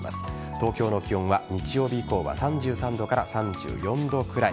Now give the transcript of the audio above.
東京の気温は、日曜日以降は３３度から３４度くらい。